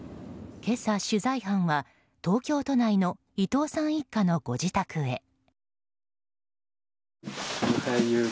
今朝、取材班は東京都内の伊藤さん一家のご自宅へ。